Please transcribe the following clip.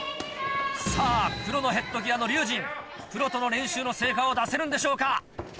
さぁ黒のヘッドギアの龍心プロとの練習の成果を出せるんでしょうか。